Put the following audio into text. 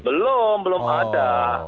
belum belum ada